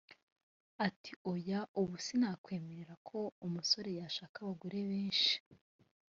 Ati “Oya ubu si nakwemera ko umusore yashaka abagore benshi